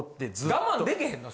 我慢でけへんの？